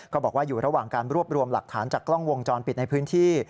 ก็บอกว่าอยู่ระหว่างการรวบรวมหลักฐานจากกล้องวงจรปิดในพื้นที่